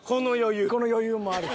この余裕もあるし。